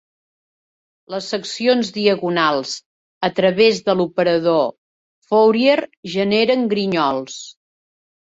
Les seccions diagonals a través de l"operador Fourier generen grinyols.